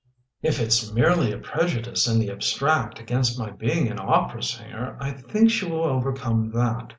"If it's merely a prejudice in the abstract against my being an opera singer, I think she will overcome that.